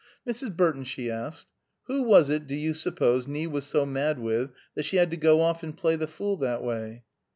"Mrs. Burton," she asked, "who was it do you suppose Nie was so mad with that she had to go off and play the fool, that way?"